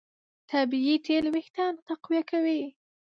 طبیعي تېل وېښتيان تقویه کوي.